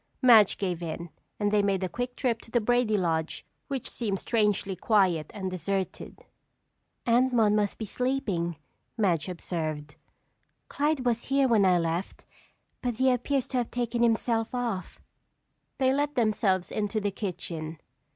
Madge gave in and they made a quick trip to the Brady lodge which seemed strangely quiet and deserted. "Aunt Maude must be sleeping," Madge observed. "Clyde was here when I left but he appears to have taken himself off." They let themselves into the kitchen.